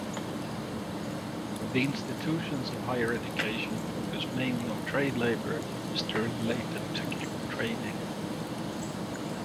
The institutions of higher education focus mainly on trade labor and industry-related technical training.